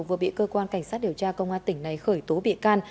vừa bị cơ quan cảnh sát điều tra công an tỉnh này khởi tố bị can